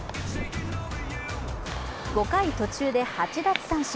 ５回途中で８奪三振。